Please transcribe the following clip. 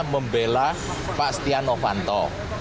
membela pak stiano vanto